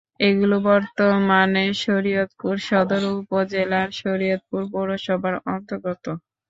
এগুলো বর্তমানে শরীয়তপুর সদর উপজেলার শরীয়তপুর পৌরসভার অন্তর্গত।